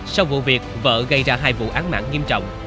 sau vụ việc vợ gây ra hai vụ án mạng nghiêm trọng